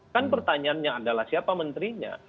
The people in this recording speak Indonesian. kan pertanyaannya adalah siapa menterinya